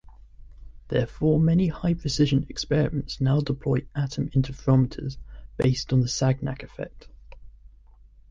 Therefore many high precision experiments now deploy atom interferometers based on the Sagnac effect.